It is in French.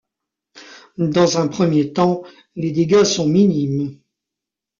Dans un premier temps, les dégâts sont minimes.